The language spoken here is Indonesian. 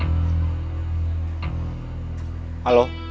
kita sudah bisa menguasai pasar